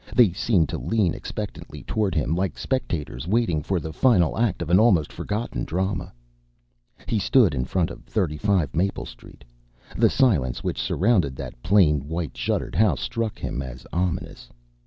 They seemed to lean expectantly toward him, like spectators waiting for the final act of an almost forgotten drama. He stood in front of 35 Maple Street. The silence which surrounded that plain white shuttered house struck him as ominous.